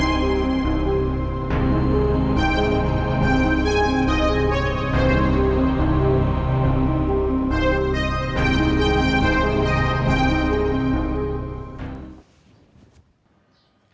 bisnis yang akan diperlukan banyak orang